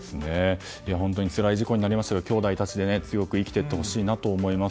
本当につらい事故になりましたけどきょうだいたちで強く生きていってほしいです。